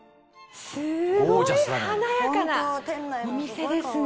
すごい華やかなお店ですね。